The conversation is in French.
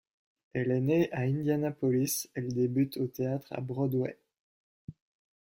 Elle est née à Indianapolis, elle débute au théâtre à Broadway.